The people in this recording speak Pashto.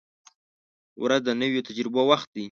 • ورځ د نویو تجربو وخت دی.